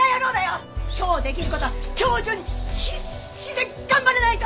今日できる事は今日中に必死で頑張らないと！